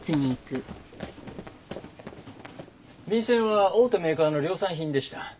便せんは大手メーカーの量産品でした。